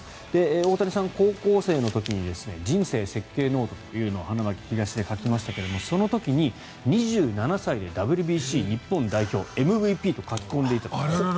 大谷さん、高校生の時に人生設計ノートというのを花巻東で書きましたがその時に、２７歳でＷＢＣ日本代表ＭＶＰと書き込んでいた。